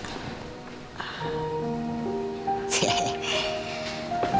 nih gua beli